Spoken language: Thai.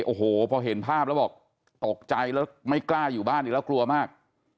โอ้โหพอเห็นภาพแล้วบอกตกใจแล้วไม่กล้าอยู่บ้านอีกแล้วกลัวมาก